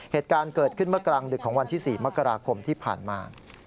เหตุการณ์เกิดขึ้นเมื่อกลางดึกของวันที่๔มกราคมที่ผ่านมา